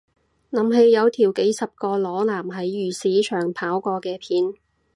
諗起有條幾十個裸男喺漁市場跑過嘅片